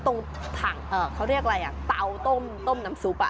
ตรงกระทั่งเขาเรียกอะไรเตาต้มน้ำซุป